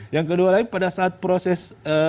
yang kedua lain pada saat proses